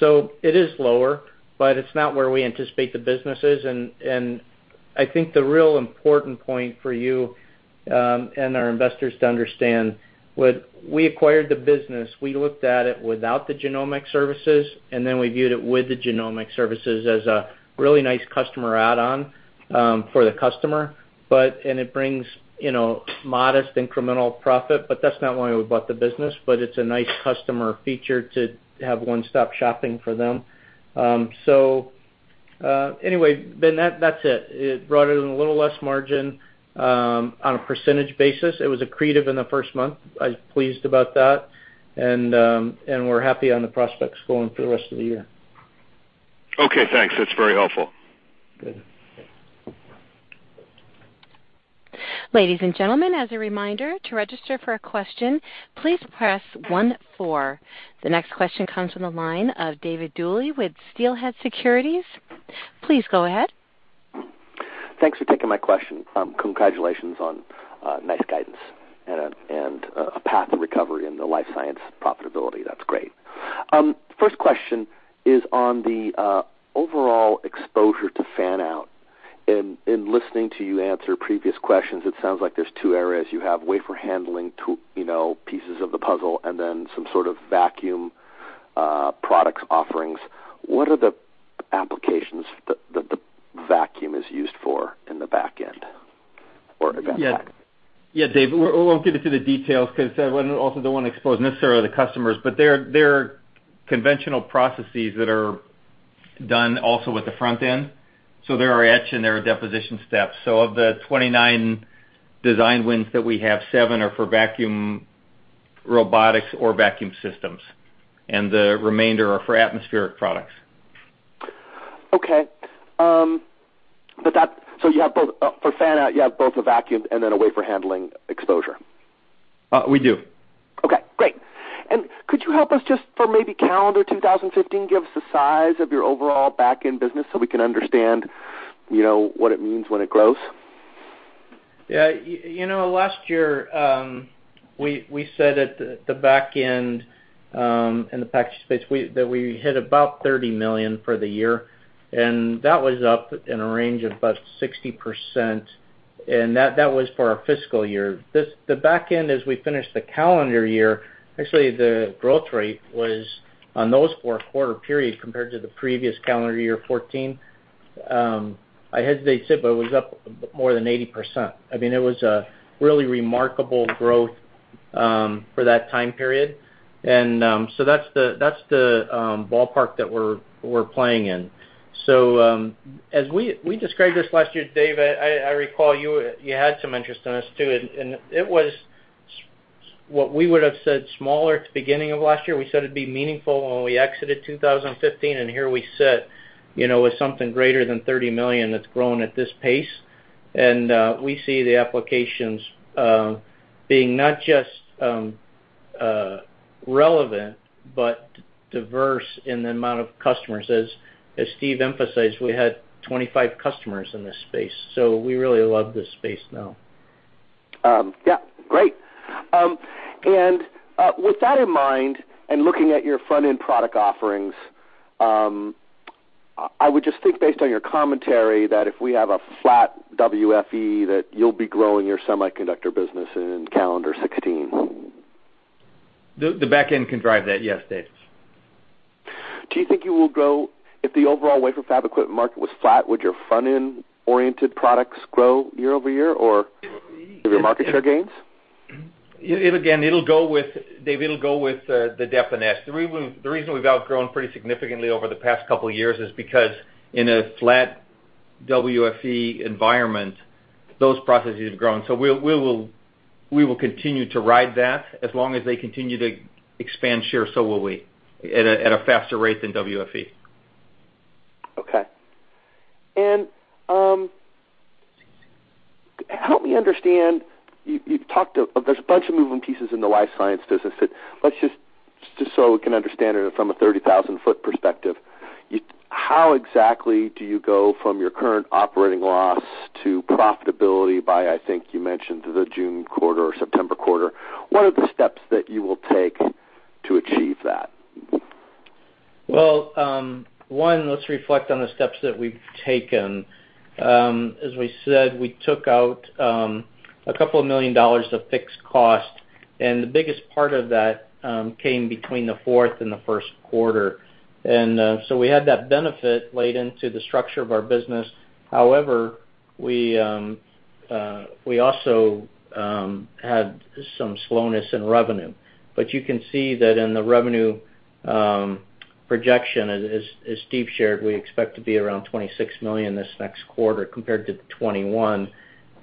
It is lower, but it's not where we anticipate the business is. I think the real important point for you, and our investors to understand, when we acquired the business, we looked at it without the genomic services, and then we viewed it with the genomic services as a really nice customer add-on for the customer. It brings modest incremental profit, but that's not why we bought the business, but it's a nice customer feature to have one-stop shopping for them. Anyway, that's it. It brought in a little less margin, on a percentage basis. It was accretive in the first month. I was pleased about that, and we're happy on the prospects going through the rest of the year. Okay, thanks. That's very helpful. Good. Ladies and gentlemen, as a reminder, to register for a question, please press 1, 4. The next question comes from the line of David Duley with Steelhead Securities. Please go ahead. Thanks for taking my question. Congratulations on nice guidance and a path to recovery in the life science profitability. That's great. First question is on the overall exposure to fan-out. In listening to you answer previous questions, it sounds like there's 2 areas. You have wafer handling to pieces of the puzzle, and then some sort of vacuum products offerings. What are the applications that the vacuum is used for in the back-end or at that time? Yeah, David, we won't get into the details because I also don't want to expose necessarily the customers, but there are conventional processes that are done also with the front-end, there are etch and there are deposition steps. Of the 29 design wins that we have, seven are for vacuum robotics or vacuum systems, and the remainder are for atmospheric products. Okay. For fan-out, you have both a vacuum and then a wafer handling exposure? We do. Okay, great. Could you help us just for maybe calendar 2015, give us the size of your overall back-end business so we can understand what it means when it grows? Yeah. Last year, we said that the back-end, in the package space, that we hit about $30 million for the year, and that was up in a range of about 60%, and that was for our fiscal year. The back-end, as we finished the calendar year, actually, the growth rate was on those four quarter periods compared to the previous calendar year 2014, I hesitate to say, but it was up more than 80%. It was a really remarkable growth for that time period. That's the ballpark that we're playing in. As we described this last year, David, I recall you had some interest in this too, and it was what we would have said smaller at the beginning of last year. We said it'd be meaningful when we exited 2015, and here we sit with something greater than $30 million that's grown at this pace. We see the applications being not just relevant, but diverse in the amount of customers. As Steve emphasized, we had 25 customers in this space, so we really love this space now. Yeah. Great. With that in mind and looking at your front-end product offerings, I would just think based on your commentary, that if we have a flat WFE, that you'll be growing your semiconductor business in calendar 2016. The back-end can drive that, yes, David. Do you think you will grow, if the overall wafer fab equipment market was flat, would your front-end oriented products grow year-over-year, or with your market share gains? Again, David, it'll go with the deposition and etch. The reason we've outgrown pretty significantly over the past couple of years is because in a flat WFE environment, those processes have grown. We will continue to ride that. As long as they continue to expand share, so will we, at a faster rate than WFE. Okay. Help me understand, there's a bunch of moving pieces in the life science business that, just so we can understand it from a 30,000-foot perspective, how exactly do you go from your current operating loss to profitability by, I think you mentioned, the June quarter or September quarter? What are the steps that you will take to achieve that? Well, one, let's reflect on the steps that we've taken. As we said, we took out a couple of million dollars of fixed cost, the biggest part of that came between the fourth and the first quarter. We had that benefit laid into the structure of our business. We also had some slowness in revenue. You can see that in the revenue projection, as Steve shared, we expect to be around $26 million this next quarter compared to $21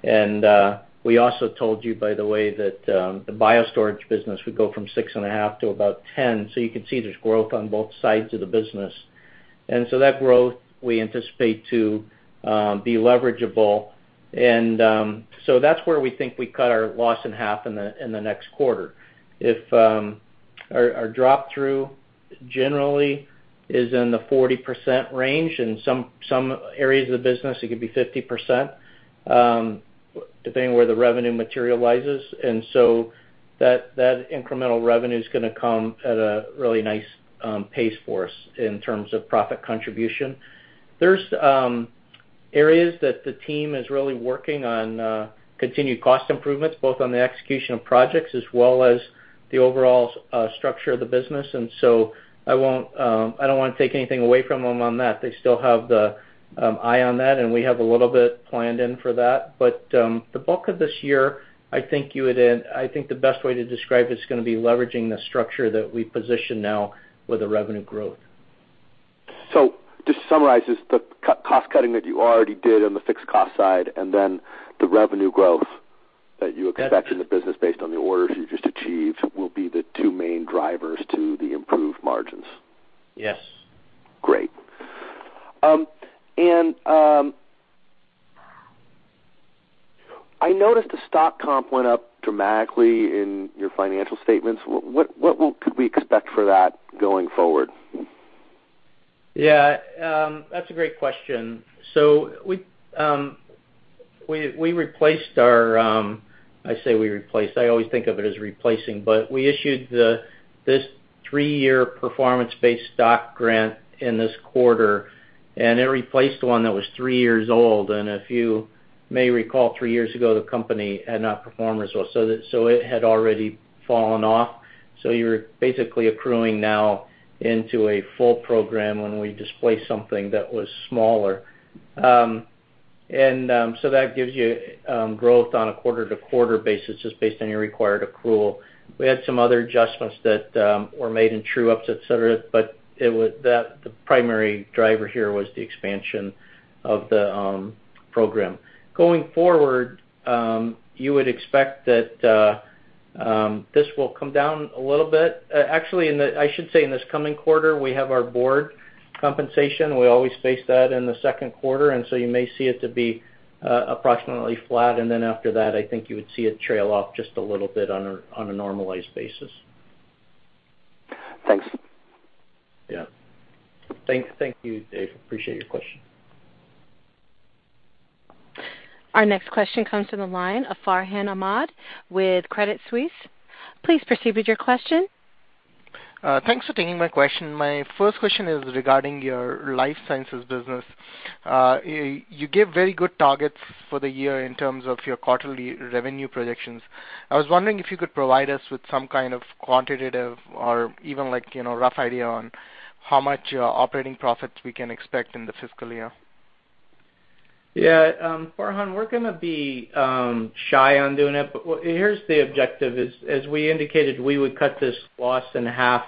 million. We also told you, by the way, that the BioStorage business would go from six and a half to about $10 million. You can see there's growth on both sides of the business. That growth, we anticipate to be leverageable. That's where we think we cut our loss in half in the next quarter. If our drop-through generally is in the 40% range, in some areas of the business, it could be 50%, depending where the revenue materializes. That incremental revenue is going to come at a really nice pace for us in terms of profit contribution. There's areas that the team is really working on continued cost improvements, both on the execution of projects as well as the overall structure of the business. I don't want to take anything away from them on that. They still have the eye on that, and we have a little bit planned in for that. The bulk of this year, I think the best way to describe it's going to be leveraging the structure that we position now with the revenue growth. Just to summarize, is the cost-cutting that you already did on the fixed cost side and then the revenue growth that you expect in the business based on the orders you just achieved will be the two main drivers to the improved margins? Yes. Great. I noticed the stock comp went up dramatically in your financial statements. What could we expect for that going forward? Yeah, that's a great question. We replaced our-- I say we replaced, I always think of it as replacing, but we issued this three-year performance-based stock grant in this quarter, and it replaced one that was three years old. If you may recall, three years ago, the company had not performed well, so it had already fallen off. You're basically accruing now into a full program when we displaced something that was smaller. That gives you growth on a quarter-to-quarter basis, just based on your required accrual. We had some other adjustments that were made in true-ups, et cetera, but the primary driver here was the expansion of the program. Going forward, you would expect that this will come down a little bit. Actually, I should say in this coming quarter, we have our board compensation. We always base that in the second quarter, you may see it to be approximately flat. After that, I think you would see it trail off just a little bit on a normalized basis. Thanks. Yeah. Thank you, Dave. Appreciate your question. Our next question comes from the line of Farhan Ahmad with Credit Suisse. Please proceed with your question. Thanks for taking my question. My first question is regarding your life sciences business. You give very good targets for the year in terms of your quarterly revenue projections. I was wondering if you could provide us with some kind of quantitative or even rough idea on how much operating profits we can expect in the fiscal year. Yeah. Farhan, we're going to be shy on doing it, here's the objective is, as we indicated, we would cut this loss in half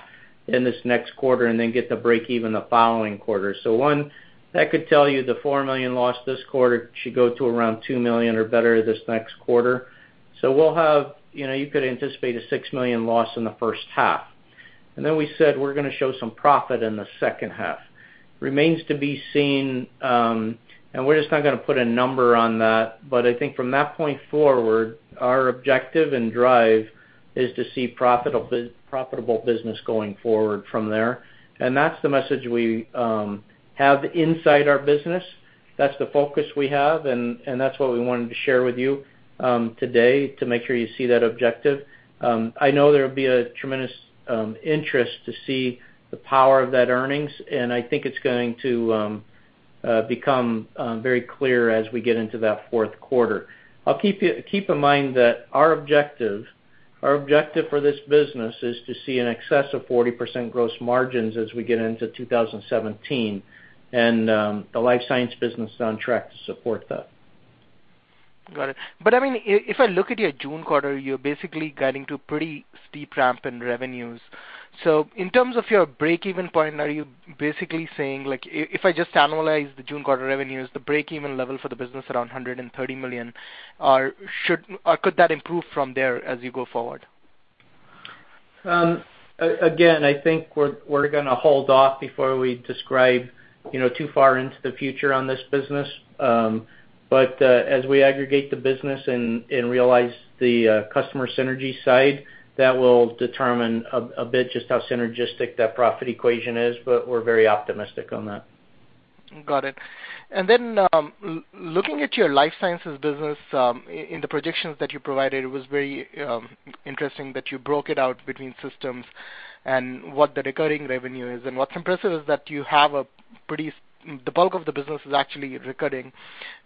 in this next quarter and then get to break even the following quarter. One, that could tell you the $4 million loss this quarter should go to around $2 million or better this next quarter. You could anticipate a $6 million loss in the first half. Then we said we're going to show some profit in the second half. Remains to be seen, we're just not going to put a number on that. I think from that point forward, our objective and drive is to see profitable business going forward from there. That's the message we have inside our business. That's the focus we have, that's what we wanted to share with you today to make sure you see that objective. I know there will be a tremendous interest to see the power of that earnings, I think it's going to become very clear as we get into that fourth quarter. Keep in mind that our objective for this business is to see in excess of 40% gross margins as we get into 2017, the life science business is on track to support that. Got it. If I look at your June quarter, you're basically getting to a pretty steep ramp in revenues. In terms of your break-even point, are you basically saying, if I just analyze the June quarter revenues, the break-even level for the business around $130 million, or could that improve from there as you go forward? Again, I think we're going to hold off before we describe too far into the future on this business. As we aggregate the business and realize the customer synergy side, that will determine a bit just how synergistic that profit equation is. We're very optimistic on that. Got it. Then, looking at your life sciences business, in the predictions that you provided, it was very interesting that you broke it out between systems and what the recurring revenue is. What's impressive is that the bulk of the business is actually recurring.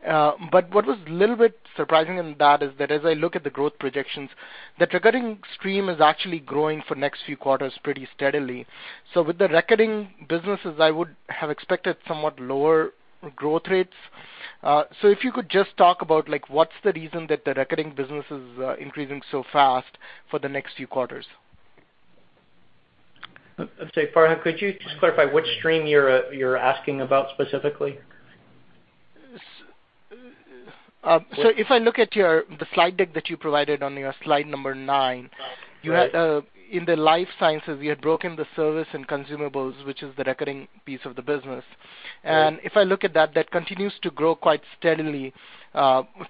What was a little bit surprising in that is that as I look at the growth projections, the recurring stream is actually growing for next few quarters pretty steadily. With the recurring businesses, I would have expected somewhat lower growth rates. If you could just talk about what's the reason that the recurring business is increasing so fast for the next few quarters? I'd say, Farhan, could you just clarify which stream you're asking about specifically? If I look at the slide deck that you provided on your slide number nine. Right In the life sciences, you had broken the service and consumables, which is the recurring piece of the business. Right. If I look at that continues to grow quite steadily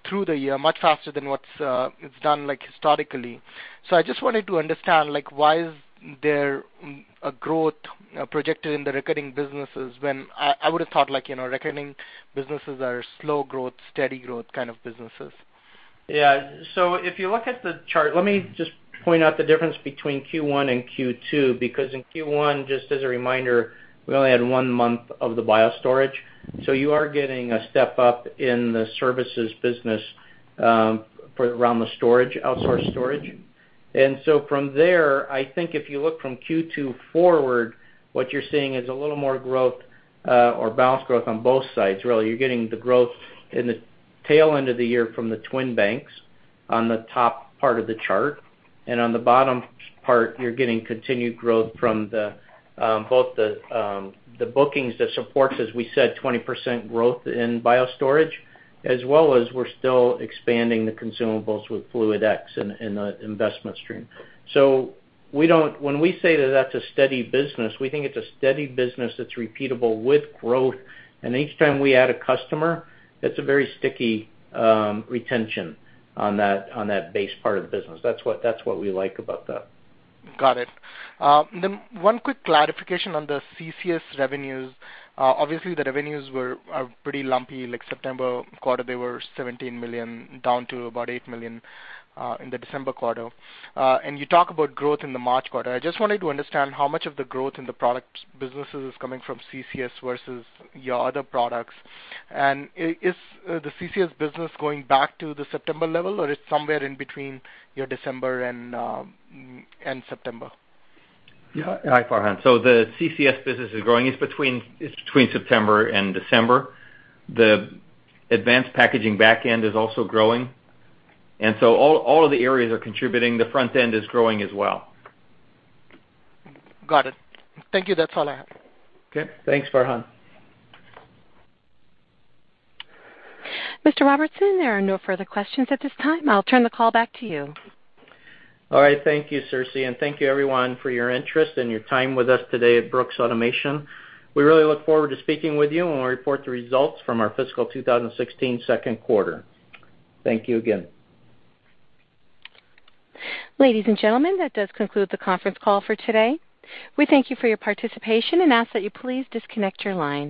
through the year, much faster than what it's done historically. I just wanted to understand, why is there a growth projected in the recurring businesses when I would've thought recurring businesses are slow growth, steady growth kind of businesses? Yeah. If you look at the chart, let me just point out the difference between Q1 and Q2, because in Q1, just as a reminder, we only had one month of the BioStorage. You are getting a step up in the services business around the outsourced storage. From there, I think if you look from Q2 forward, what you're seeing is a little more growth, or balanced growth on both sides, really. You're getting the growth in the tail end of the year from the TwinBank on the top part of the chart. On the bottom part, you're getting continued growth from both the bookings, the supports, as we said, 20% growth in BioStorage, as well as we're still expanding the consumables with FluidX in the investment stream. When we say that that's a steady business, we think it's a steady business that's repeatable with growth. Each time we add a customer, that's a very sticky retention on that base part of the business. That's what we like about that. Got it. One quick clarification on the CCS revenues. Obviously, the revenues are pretty lumpy, like September quarter, they were $17 million, down to about $8 million in the December quarter. You talk about growth in the March quarter. I just wanted to understand how much of the growth in the product businesses is coming from CCS versus your other products. Is the CCS business going back to the September level, or it's somewhere in between your December and September? Yeah. Hi, Farhan. The CCS business is growing. It's between September and December. The advanced packaging back end is also growing. All of the areas are contributing. The front end is growing as well. Got it. Thank you. That's all I have. Okay. Thanks, Farhan. Mr. Robertson, there are no further questions at this time. I'll turn the call back to you. All right. Thank you, Circe, thank you everyone for your interest and your time with us today at Brooks Automation. We really look forward to speaking with you when we report the results from our fiscal 2016 second quarter. Thank you again. Ladies and gentlemen, that does conclude the conference call for today. We thank you for your participation and ask that you please disconnect your line.